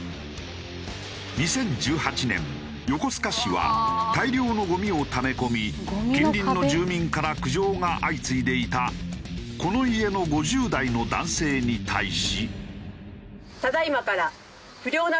２０１８年横須賀市は大量のゴミをため込み近隣の住民から苦情が相次いでいたこの家の５０代の男性に対し。